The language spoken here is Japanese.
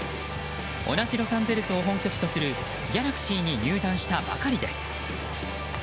同じロサンゼルスを本拠地とするギャラクシーに入団したばかりです。